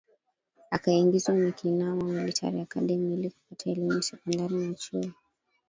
Akaingizwa Nyakinama Military Academy ili kupata elimu ya sekondari na chuo